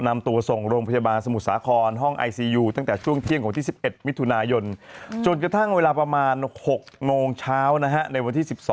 อ้าวผมก็ใส่เครื่องประดมประดับ